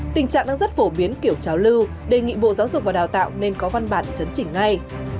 tình trạng đang rất phổ biến kiểu trào lưu đề nghị bộ giáo dục và đào tạo nên có văn bản chấn chỉnh ngay